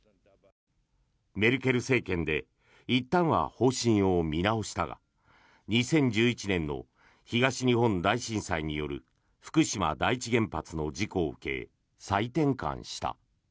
メルケル政権でいったんは方針を見直したが２０１１年の東日本大震災による福島第一原発の事故を受け再転換した。